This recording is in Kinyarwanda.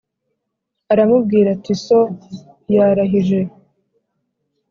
aramubwira ati so yarahije